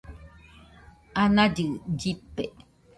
anallɨ llɨte